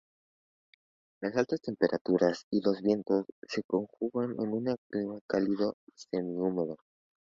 Las altas temperaturas y los vientos se conjugan en un clima cálido semihúmedo.